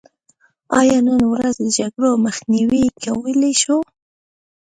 آیا نن ورځ د جګړو مخنیوی کولی شو؟